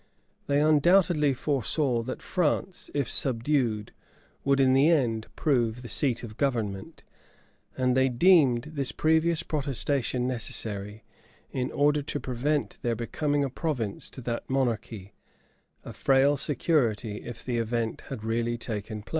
[*] They undoubtedly foresaw that France, if subdued, would in the end prove the seat of government; and they deemed this previous protestation necessary, in order to prevent their becoming a province to that monarchy: a frail security if the event had really taken place!